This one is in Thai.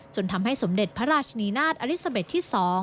จนทำให้สมเด็จพระราชนีนาฏอลิซาเบ็ดที่๒